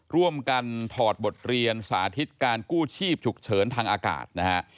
ร่วมกันถอดบทเรียนสาธิตการกู้ชีพฉุกเฉินทางอากาศนะฮะ